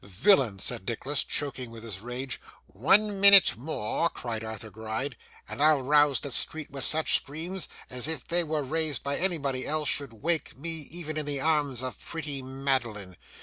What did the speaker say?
'Villain!' said Nicholas, choking with his rage. 'One minute more,' cried Arthur Gride, 'and I'll rouse the street with such screams, as, if they were raised by anybody else, should wake me even in the arms of pretty Madeline.